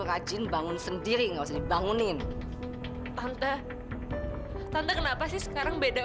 rajin bangun sendiri ngasih bangunin tante tante kenapa sih sekarang beda